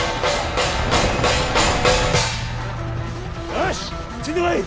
よしついてこい！